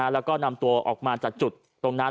แล้วก็นำตัวออกมาจากจุดตรงนั้น